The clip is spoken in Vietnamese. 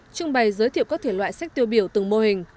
trưng bày giới thiệu các thể loại sách tiêu biểu từng mô hình